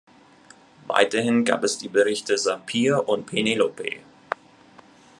Weiterhin gab es die Berichte Sapir und Penelope.